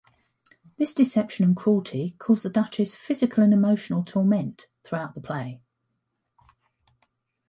This deception and cruelty cause the Duchess physical and emotional torment throughout the play.